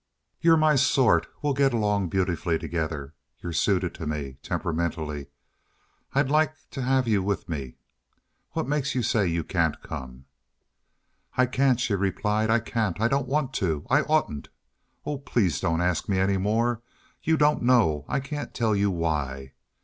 You're my sort. We will get along beautifully together. You're suited to me temperamentally. I'd like to have you with me. What makes you say you can't come?" "I can't," she replied. "I can't. I don't want to. I oughtn't. Oh, please don't ask me any more. You don't know. I can't tell you why."